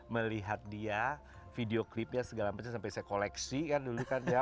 melihat dia video clipnya segala macam sampai saya koleksi kan dulu kan ya